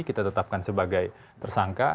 kita tetapkan sebagai tersangka